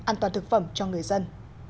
an toàn thực phẩm cho người dân